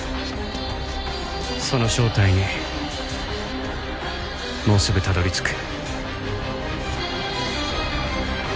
その正体にもうすぐたどり着く。